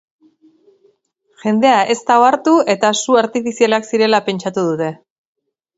Jendea ez da ohartu eta su artifizialak zirela pentsatu dute.